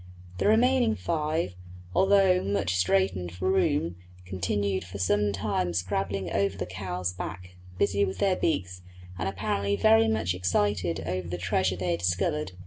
The remaining five, although much straitened for room, continued for some time scrambling over the cow's back, busy with their beaks and apparently very much excited over the treasure they had discovered.